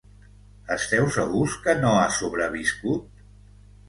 Esteu segurs que no ha sobreviscut?